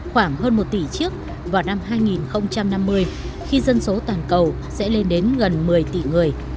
khoảng hơn một tỷ chiếc vào năm hai nghìn năm mươi khi dân số toàn cầu sẽ lên đến gần một mươi tỷ người